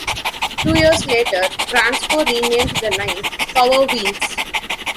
Two years later, Kransco renamed the line "Power Wheels".